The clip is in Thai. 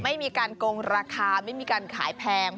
ไม่มีการโกงราคาไม่มีการขายแพง